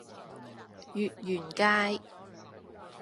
月園街